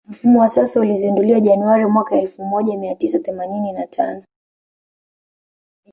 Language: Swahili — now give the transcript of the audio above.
Mfumo wa sasa ulizinduliwa Januari mwaka elfu moja mia tisa themanini na tano